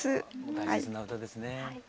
大切な歌ですね。